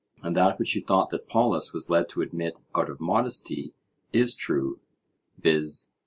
And that which you thought that Polus was led to admit out of modesty is true, viz.